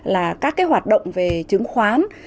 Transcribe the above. là các cái hoạt động về chứng khoán